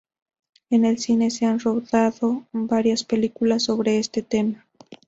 En el cine se han rodado varias películas sobre este tema.